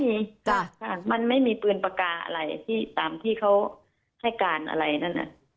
แต่มันไม่มีมันไม่มีปืนปากกาอะไรที่ตามที่เขาให้การอะไรนั่น